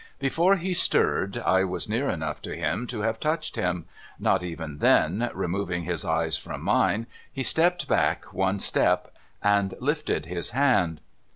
Before he stirred, I was near enough to him to have touched him. Not even then removing his eyes from mine, he stepped back one step, and lifted his hand.